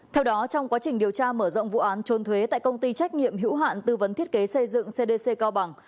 theo đó trong quá trình điều tra mở rộng vụ án trôn thuế tại công ty trách nhiệm hữu hạn tư vấn thiết kế xây dựng cdc cao bằng